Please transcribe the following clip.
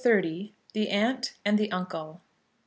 THE AUNT AND THE UNCLE.